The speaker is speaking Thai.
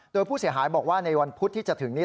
โดยผู้เสียหายบอกว่าในวันพุธที่จะถึงนี้